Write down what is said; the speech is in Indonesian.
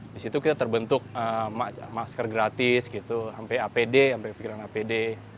di situ kita terbentuk masker gratis gitu sampai apd sampai pikiran apd